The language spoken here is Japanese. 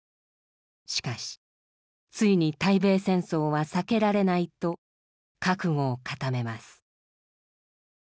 しかしついに対米戦争は避けられないと覚悟を固めます。